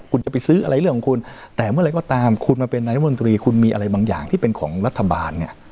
คุณจะไปซื้ออะไรเรื่องของคุณแต่เมื่อไหร่ก็ตามคุณมาเป็นนายมนตรีคุณมีอะไรบางอย่างที่เป็นของรัฐบาลเนี่ย